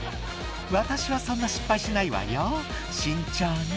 「私はそんな失敗しないわよ慎重に」